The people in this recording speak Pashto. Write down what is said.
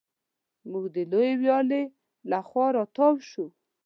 موږ د لویې ویالې له خوا را تاو شوو.